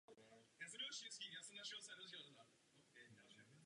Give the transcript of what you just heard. Otázka je, jak s tím chceš pracovat.